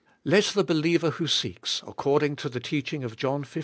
Let the believer who seeks, according to the teaching of John xv.